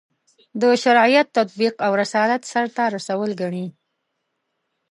د شریعت تطبیق او رسالت سرته رسول ګڼي.